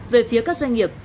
về phía các doanh nghiệp